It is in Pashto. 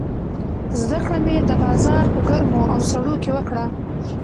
زده کړه مې د بازار په ګرمو او سړو کې وکړه.